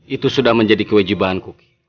itu sudah menjadi kewajibanku